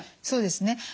そうですね。